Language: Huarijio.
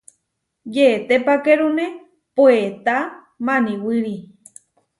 Yetepakérune puetá maniwíri.